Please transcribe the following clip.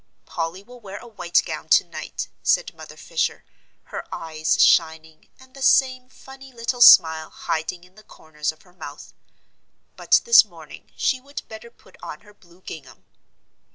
"Polly will wear a white gown to night," said Mother Fisher, her eyes shining, and the same funny little smile hiding in the corners of her mouth; "but this morning she would better put on her blue gingham."